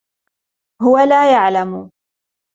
هو لا يعلم.